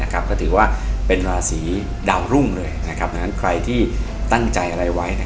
ก็ถือว่าเป็นราศีดาวรุ่งเลยดังนั้นใครที่ตั้งใจอะไรไว้